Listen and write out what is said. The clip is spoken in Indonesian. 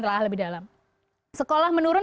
telah lebih dalam sekolah menurun